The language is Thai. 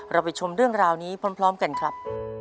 ไปชมเรื่องราวนี้พร้อมกันครับ